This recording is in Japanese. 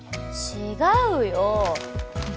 違うよ